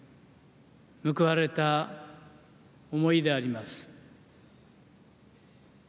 報われた思いであります。